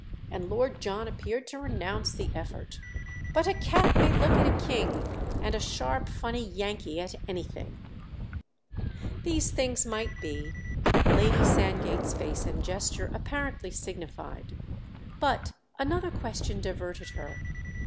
And Lord John appeared to renounce the effort. "But a cat may look at a king and a sharp funny Yankee at anything." These things might be, Lady Sandgate's face and gesture apparently signified; but another question diverted her.